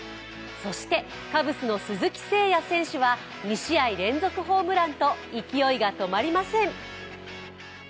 そしてカブスの鈴木誠也選手は２試合連続ホームランと勢いが止まりません。